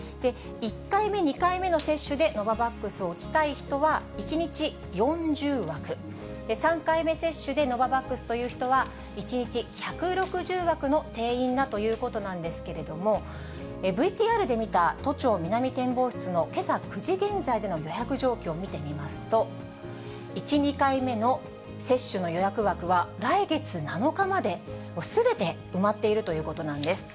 １回目、２回目の接種でノババックスを打ちたい人は１日４０枠、３回目接種でノババックスという人は１日１６０枠の定員だということなんですけれども、ＶＴＲで見た、都庁南展望室のけさ９時現在での予約状況を見てみますと、１、２回目の接種の予約枠は、来月７日まですべて埋まっているということなんです。